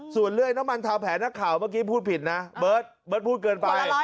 ส่วนเรื่อยน้วมันเท้าแผนนักข่าวเมื่อกี้พูดผิดนะเบิร์ตส่วนละ๑๐๐นิดนะ